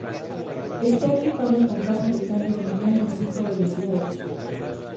Está equipado con caja de cambios manual de cinco velocidades.